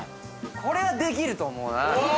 これはできると思うな。